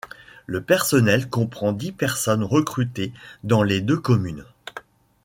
Le personnel comprend dix personnes recrutées dans les deux communes.